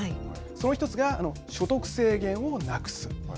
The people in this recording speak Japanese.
その１つが所得制限をなくす。